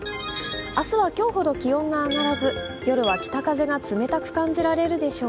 明日は今日ほど気温が上がらず、夜は北風が冷たく感じられるでしょう。